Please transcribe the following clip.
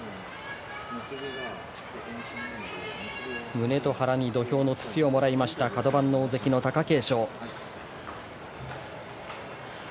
胸と腹に土俵の土をもらいましたカド番の大関貴景勝。